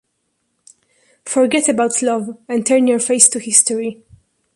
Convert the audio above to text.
Forget about love and turn your face to history.